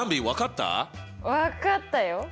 分かったよ。